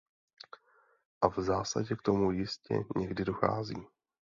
A v zásadě k tomu jistě někdy dochází.